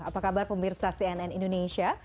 apa kabar pemirsa cnn indonesia